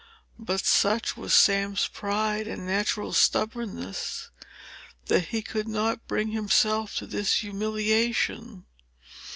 But such was Sam's pride and natural stubbornness, that he could not bring himself to this humiliation.